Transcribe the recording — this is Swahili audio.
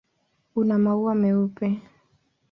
Una maua meupe.